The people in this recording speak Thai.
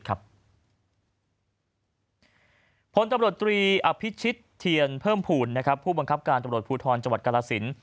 ผลตำรวจตรีอภิชิตเทียนเพิ่มภูมิผู้บังคับการตำรวจภูทรจังหวัดกรสิน